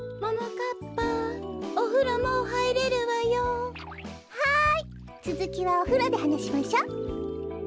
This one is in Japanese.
かっぱおふろもうはいれるわよ。はいつづきはおふろではなしましょ。